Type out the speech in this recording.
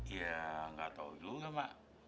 ya gak tau juga mak